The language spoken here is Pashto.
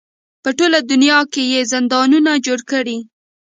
په ټوله دنیا کې یې زندانونه جوړ کړي.